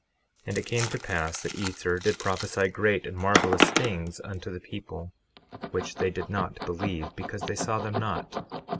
12:5 And it came to pass that Ether did prophesy great and marvelous things unto the people, which they did not believe, because they saw them not.